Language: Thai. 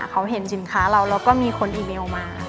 เขาเห็นสินค้าเราแล้วก็มีคนอีเมลมา